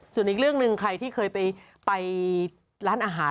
ส่วนอีกเรื่องหนึ่งใครที่เคยไปร้านอาหาร